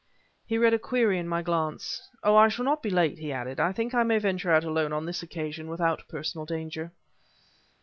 He read a query in my glance. "Oh! I shall not be late," he added; "I think I may venture out alone on this occasion without personal danger."